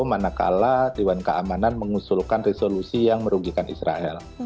manakala dewan keamanan mengusulkan resolusi yang merugikan israel